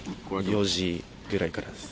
４時ぐらいからです。